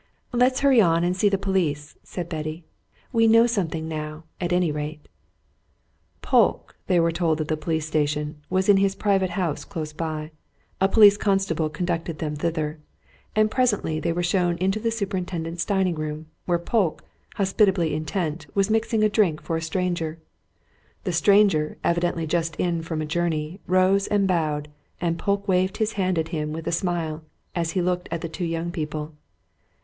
"Let's hurry on and see the police," said Betty. "We know something now, at any rate." Polke, they were told at the police station, was in his private house close by: a polite constable conducted them thither. And presently they were shown into the superintendent's dining room, where Polke, hospitably intent, was mixing a drink for a stranger. The stranger, evidently just in from a journey, rose and bowed, and Polke waved his hand at him with a smile, as he looked at the two young people.